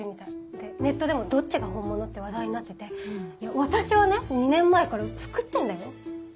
でネットでも「どっちが本物？」って話題になってて私はね２年前から作ってんだよ？